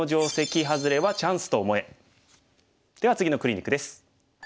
では次のクリニックです。